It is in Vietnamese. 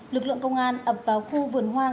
lực lượng công an ập vào khu vườn hoang